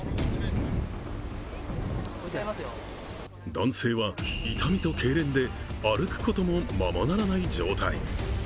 男性は痛みとけいれんで、歩くこともままならない状態。